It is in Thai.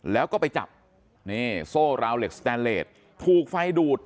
แล้วก็ไปจับนี่โซ่ราวเหล็กสแตนเลสถูกไฟดูด